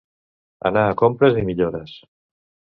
Anar a compres i millores.